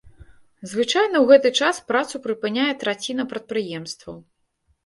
Звычайна ў гэты час працу прыпыняе траціна прадпрыемстваў.